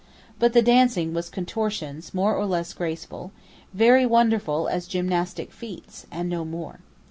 But the dancing was contortions, more or less graceful, very wonderful as gymnastic feats, and no more.